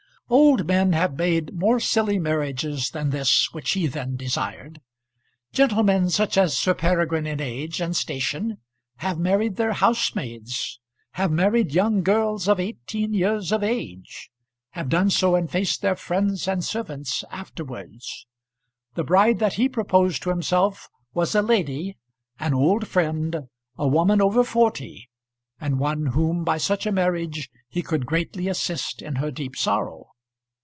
Old men have made more silly marriages than this which he then desired. Gentlemen such as Sir Peregrine in age and station have married their housemaids, have married young girls of eighteen years of age, have done so and faced their friends and servants afterwards. The bride that he proposed to himself was a lady, an old friend, a woman over forty, and one whom by such a marriage he could greatly assist in her deep sorrow.